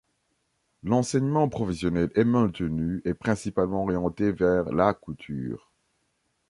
L’enseignement professionnel est maintenu et principalement orienté vers la couture.